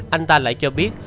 anh ta lại cho biết